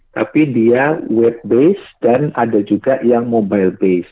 tapi dia web base dan ada juga yang mobile base